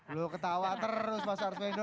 loh ketawa terus mas arswendo